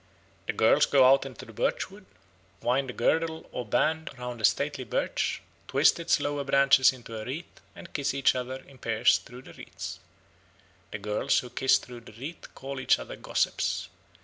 The girls go out into a birch wood, wind a girdle or band round a stately birch, twist its lower branches into a wreath, and kiss each other in pairs through the wreath. The girls who kiss through the wreath call each other gossips.